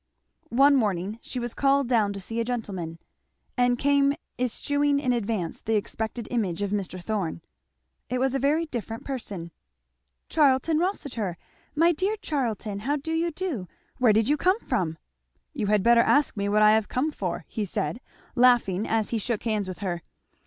One morning she was called down to see a gentleman, and came eschewing in advance the expected image of Mr. Thorn. It was a very different person. "Charlton Rossitur! My dear Charlton, how do you do? Where did you come from?" "You had better ask me what I have come for," he said laughing as he shook hands with her.